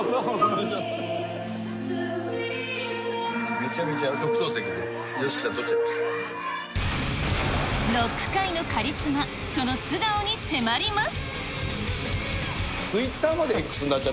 めちゃめちゃ特等席でＹＯＳロック界のカリスマ、その素顔に迫ります。